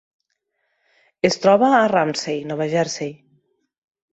Es troba a Ramsey, Nova Jersey.